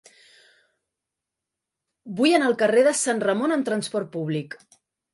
Vull anar al carrer de Sant Ramon amb trasport públic.